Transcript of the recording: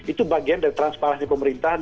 itu bagian dari transparansi pemerintahan